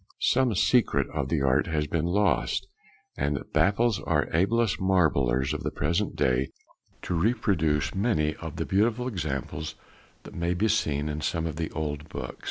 Some secret of the art has been lost, and it baffles our ablest marblers of the present day to reproduce many of the beautiful examples that may be seen in some of the old books.